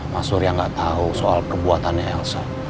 mas surya gak tau soal perbuatannya elsa